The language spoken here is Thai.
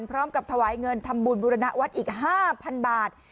พร้อมกับถวายเงินทำบุญบุรณวัฒน์อีก๕๐๐๐บาท